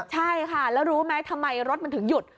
ใช่ค่ะแล้วรู้ไหมทำไมรถมันถึงหยุด